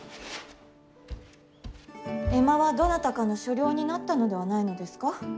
江間はどなたかの所領になったのではないのですか。